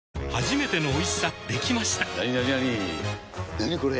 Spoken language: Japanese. なにこれ！